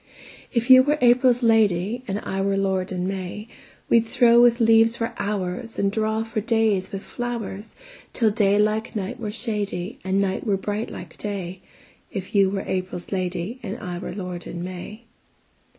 If you were April's lady, And I were lord in May, We'd throw with leaves for hoursAnd draw for days with flowers, Till day like night were shadyAnd night were bright like day; If you were April's lady, And I were lord in May.